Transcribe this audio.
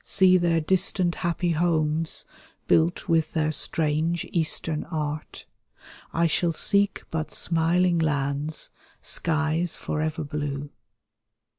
See their distant happy homes, built with their strange Eastern art; I shall seek but smiling lands, skies forever blue.